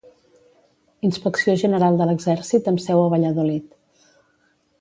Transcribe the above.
Inspecció General de l'Exèrcit amb seu a Valladolid.